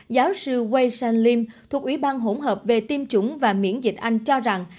giáo sư wei shan lim thuộc ủy ban hỗn hợp về tiêm chủng và miễn dịch anh cho rằng